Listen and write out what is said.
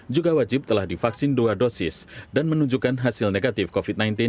juga wajib telah divaksin dua dosis dan menunjukkan hasil negatif covid sembilan belas